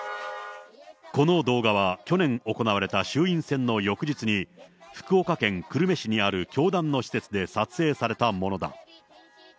この動画は、去年行われた衆院選の翌日に、福岡県久留米市にある教団の施設で撮影されたものだ。